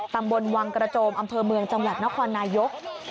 ตำบลวังกระโจมอำเภอเมืองจังหวัดนครนายก